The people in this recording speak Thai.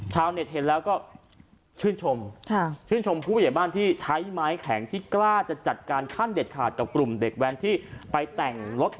ชาวเน็ตเห็นแล้วก็ชื่นชมชื่นชมผู้ใหญ่บ้านที่ใช้ไม้แข็งที่กล้าจะจัดการขั้นเด็ดขาดกับกลุ่มเด็กแว้นที่ไปแต่งรถ